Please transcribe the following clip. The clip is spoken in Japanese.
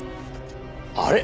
あれ？